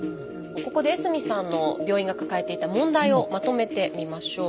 ここで江角さんの病院が抱えていた問題をまとめてみましょう。